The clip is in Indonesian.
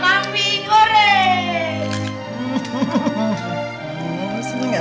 nanti mungkin bakalan bustu di naga aslinya